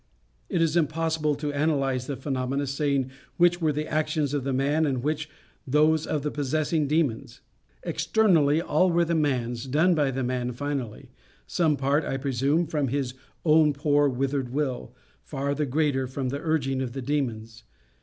It is impossible to analyse the phenomena, saying which were the actions of the man, and which those of the possessing demons. Externally all were the man's, done by the man finally, some part, I presume, from his own poor withered will, far the greater from the urging of the demons.